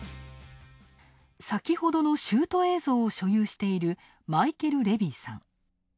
先ほどのシュート映像を所有しているマイケル・レビーさん。